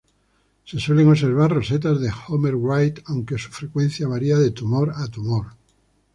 Se suelen observar rosetas de Homer-Wright aunque su frecuencia varía de tumor a tumor.